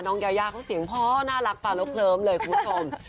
น้องยายาเขาเสียงพ่อน่ารักฝ่าโลกเคิร์มเลยคุณผู้ชม